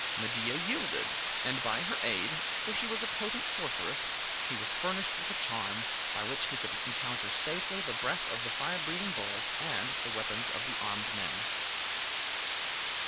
Medea yielded, and by her aid, for she was a potent sorceress, he was furnished with a charm, by which he could encounter safely the breath of the fire breathing bulls and the weapons of the armed men.